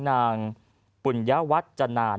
นางปุญญาวัดจนาน